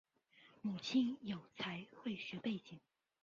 母亲有财会学背景。